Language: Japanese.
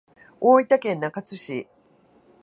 大分県中津市